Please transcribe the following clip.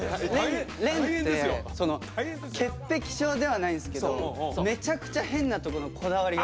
廉って潔癖症ではないんですけどめちゃくちゃ変なとこのこだわりが強くて。